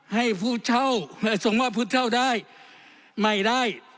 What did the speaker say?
ให้ผู้เช่าส่งมอบผู้เช่าได้ไม่ได้